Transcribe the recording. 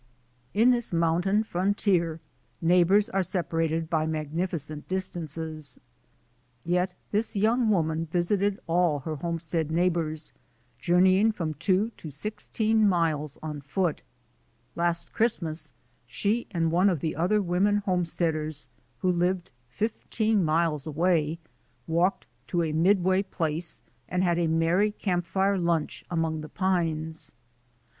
In this mountain frontier neighbours are sepa rated by magnificent distances. Yet this young woman visited all her homestead neighbours, journeying from two to sixteen miles on foot Last Christmas she and one of the other women home 264 THE ADVENTURES OF A NATURE GUIDE steaders who lived fifteen miles away walked to a midway place and had a merry camp fire lunch among the pines.